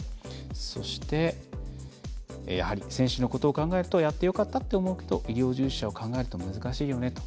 そして「選手のことを考えるとやってよかったって思うけど医療従事者を考えると難しいよね」と。